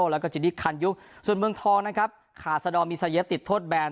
แล้วก็จิดดิกคันยุคส่วนเมืองทองนะครับขาสะดอมมีสเย็บติดโทษแบรนด์